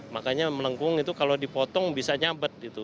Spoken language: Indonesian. makanya melengkung itu kalau dipotong bisa nyabet gitu